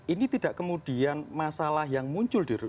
ini tidak kemudian masalah yang muncul di dua ribu tiga belas